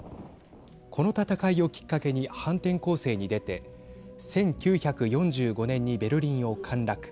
この戦いをきっかけに反転攻勢に出て１９４５年にベルリンを陥落。